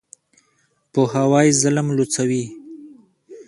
پوهاوی ظالم لوڅوي.